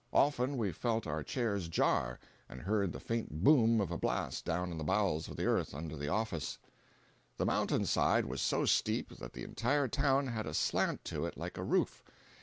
Often we felt our chairs jar, and heard the faint boom of a blast down in the bowels of the earth under the office. The mountain side was so steep that the entire town had a slant to it like a roof.